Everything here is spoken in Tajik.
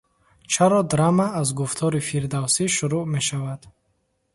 Чаро драма аз гуфтори Фирдавсӣ шурӯъ мешавад?